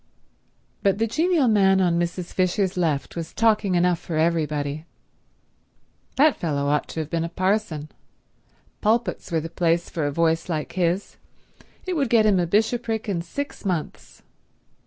But the genial man on Mrs. Fisher's left was talking enough for everybody. That fellow ought to have been a parson. Pulpits were the place for a voice like his; it would get him a bishopric in six months.